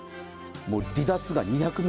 離脱が２００名。